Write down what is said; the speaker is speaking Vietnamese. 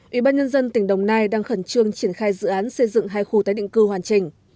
ủy ban nhân dân tỉnh đồng nai đang khẩn trương triển khai dự án xây dựng hai khu tái định cư hoàn chỉnh